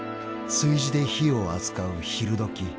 ［炊事で火を扱う昼時］